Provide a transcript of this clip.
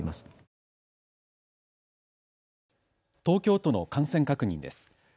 東京都の感染確認です。